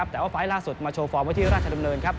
แต่ว่าไฟล์ล่าสุดมาโชว์ฟอร์มไว้ที่ราชดำเนินครับ